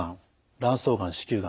卵巣がん子宮がん